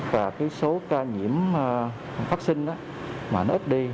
và số ca nhiễm phát sinh nó ít đi